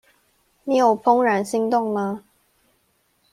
你有怦然心動嗎？